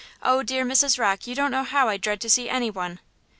Oh, dear Mrs. Rocke, you don't know how I dread to see any one!"